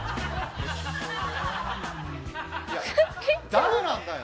誰なんだよ！